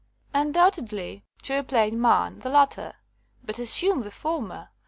Un doubtedly, to a plain man, the latter; but assume the former.